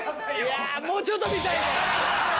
いやもうちょっと見たいね。